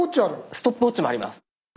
ストップウォッチもあります。